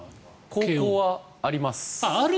高校はあります。